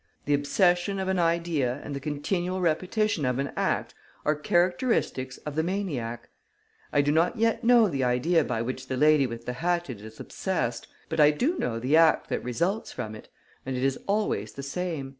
The obsession of an idea and the continual repetition of an act are characteristics of the maniac. I do not yet know the idea by which the lady with the hatchet is obsessed but I do know the act that results from it; and it is always the same.